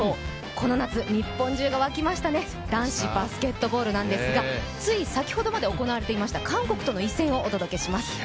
この夏、日本中が沸きましたね、男子バスケットボールですが、つい先ほどまで行われていました、韓国との一戦をお届けします。